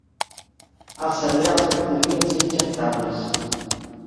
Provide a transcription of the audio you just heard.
Els cereals que podrien ser injectables.